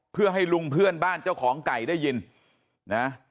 เพื่อให้ลุงเพื่อนบ้านเจ้าของไก่ได้ยินนะ